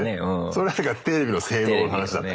それはテレビの性能の話だったけど。